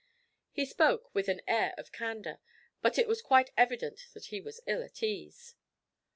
He spoke with an air of candour, but it was quite evident that he was ill at ease.